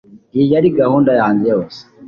Iyi yari gahunda yanjye yose